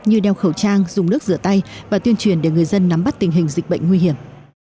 như đeo khẩu trang dùng nước rửa tay và tuyên truyền để người dân nắm bắt tình hình dịch bệnh nguy hiểm